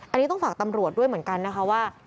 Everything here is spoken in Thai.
อันนี้ต้องฝากตำรวจด้วยเหมือนกันนะคะว่า